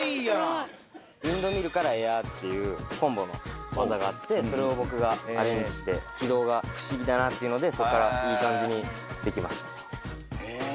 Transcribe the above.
ウィンドミルからエアーっていうコンボの技があってそれを僕がアレンジして軌道が不思議だなっていうのでそこからいい感じにできました。